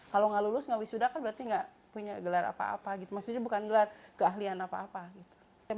kalau gak lulus nggak wisuda kan berarti nggak punya gelar apa apa gitu maksudnya bukan gelar keahlian apa apa gitu